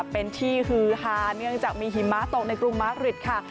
เป็นที่ฮือฮาเนื่องจากมีหิมะตกในกรุงมาร์คริดค่ะ